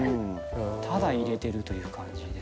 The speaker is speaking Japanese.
ただ入れてるという感じです。